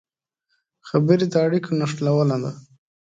خبرې د اړیکو نښلونه ده